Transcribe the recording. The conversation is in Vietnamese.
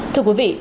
thưa quý vị